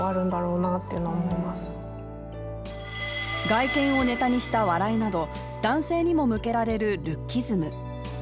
外見をネタにした笑いなど、男性にも向けられるルッキズム。